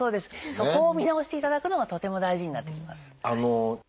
そこを見直していただくのがとても大事になってきます。